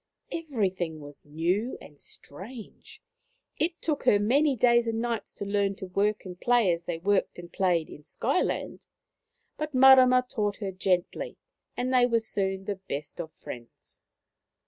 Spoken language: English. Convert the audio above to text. Everything was new and strange. It took her many days and nights to learn to work and play as they worked and played in Sky land ; but Marama taught her gently, and they were soon the best of friends.